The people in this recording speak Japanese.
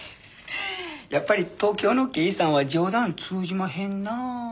やっぱり東京の刑事さんは冗談通じまへんな。